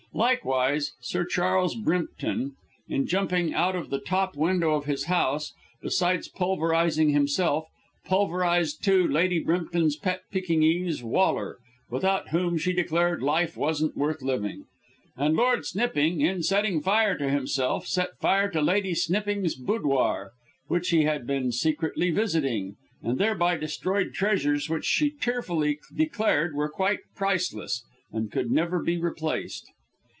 Likewise, Sir Charles Brimpton, in jumping out of the top window of his house, besides pulverizing himself, pulverized, too, Lady Brimpton's pet Pekingese "Waller," without whom, she declared, life wasn't worth living; and Lord Snipping, in setting fire to himself, set fire to Lady Snipping's boudoir (which he had been secretly visiting), and thereby destroyed treasures which she tearfully declared were quite priceless, and could never be replaced.